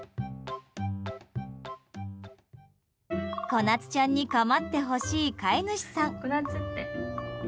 小夏ちゃんに構ってほしい飼い主さん。